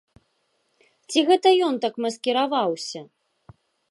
Ці гэта ён так маскіраваўся!?